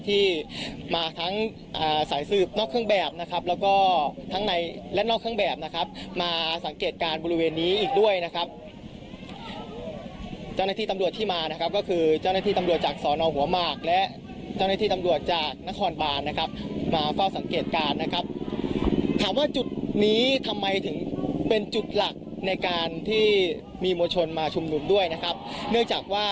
ที่มาทั้งสายสืบนอกเครื่องแบบนะครับแล้วก็ทั้งในและนอกเครื่องแบบนะครับมาสังเกตการณ์บริเวณนี้อีกด้วยนะครับเจ้าหน้าที่ตำรวจที่มานะครับก็คือเจ้าหน้าที่ตำรวจจากสอนอหัวหมากและเจ้าหน้าที่ตำรวจจากนครบานนะครับมาเฝ้าสังเกตการณ์นะครับถามว่าจุดนี้ทำไมถึงเป็นจุดหลักในการที่มีมวลชนมาชุมนุมด้วยนะครับเนื่องจากว่า